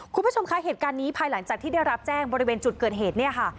คุณผู้ชมคะเหตุการณ์นี้ภายหลังจากที่ได้รับแจ้งบริเวณจุดเกิดเหตุเนี่ยค่ะ